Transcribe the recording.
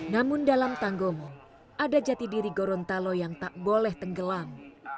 namun dalam tanggomo ada jati diri gorontalo yang tak boleh tenggelam